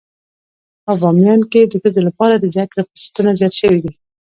په باميان کې د ښځو لپاره د زده کړې فرصتونه زيات شوي دي.